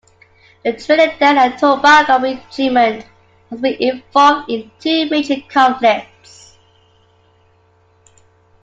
The Trinidad and Tobago Regiment has been involved in two major conflicts.